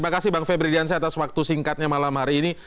saya berhidupkan saya atas waktu singkatnya malam hari ini